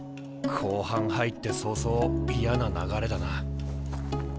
後半入って早々嫌な流れだな。